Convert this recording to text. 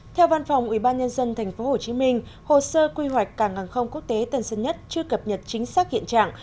theo văn phòng ubnd tp hcm hồ sơ quy hoạch cảng hàng không quốc tế tân sơn nhất chưa cập nhật chính xác hiện trạng